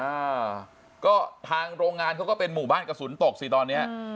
อ่าก็ทางโรงงานเขาก็เป็นหมู่บ้านกระสุนตกสิตอนเนี้ยอืม